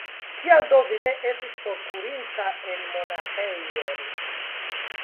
Kial do vi ne estis forkurinta en monaĥejon?